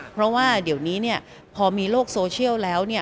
เพราะว่าเดี๋ยวนี้พอมีโลกโซเชียลแล้ว